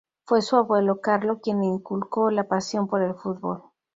Fue su abuelo Carlo quien le inculcó la pasión por el fútbol.